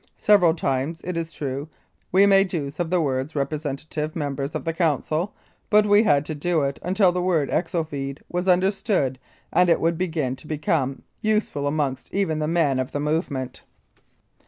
... Several times, it is true, we made use of the words * Representative Members of the Council/ but we had to do it until the word Exovede was understood and until it would begin to become usual amongst even the men of the movement.